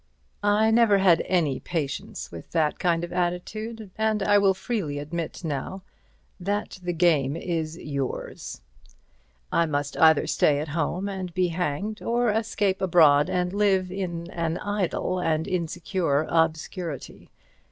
I never had any patience with that kind of attitude, and I will freely admit now that the game is yours. I must either stay at home and be hanged or escape abroad and live in an idle and insecure obscurity.